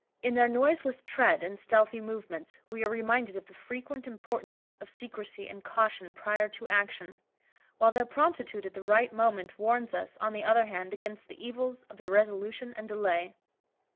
In their noiseless tread and stealthy movements, we are reminded of the frequent importance of secresy and caution prior to action, while their promptitude at the right moment, warns us, on the other hand, against the evils of irresolution and delay.